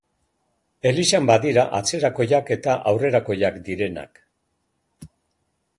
Elizan badira atzerakoiak eta aurrerakoiak direnak.